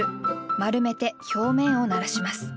丸めて表面をならします。